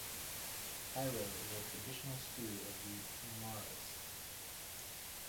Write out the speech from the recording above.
Chairo is a traditional stew of the Aymaras.